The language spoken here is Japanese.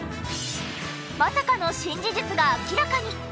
まさかの新事実が明らかに！